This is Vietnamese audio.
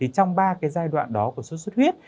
trong ba giai đoạn đó của sốc do xuất huyết